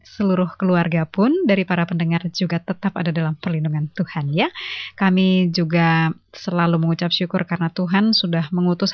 surga tempat yang indah